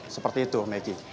seperti itu maggie